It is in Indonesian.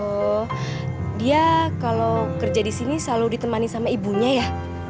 oh dia kalau kerja di sini selalu ditemani sama ibunya ya